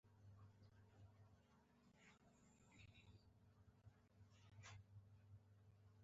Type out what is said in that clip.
د اضافي ارزښت یوه برخه په پانګه بدلېږي